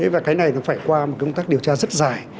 và cái này nó phải qua một công tác điều tra rất dài